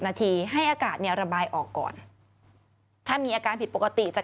นาทีให้อากาศเนี่ยระบายออกก่อนถ้ามีอาการผิดปกติจะ